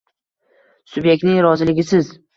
Subyektning roziligisiz